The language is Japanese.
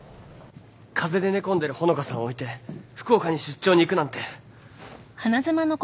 風邪で寝込んでる穂香さんを置いて福岡に出張に行くなんて。